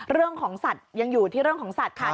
เรื่องของสัตว์ยังอยู่ที่เรื่องของสัตว์ค่ะ